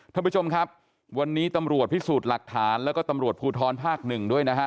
ท่านผู้ชมครับวันนี้ตำรวจพิสูจน์หลักฐานแล้วก็ตำรวจภูทรภาคหนึ่งด้วยนะฮะ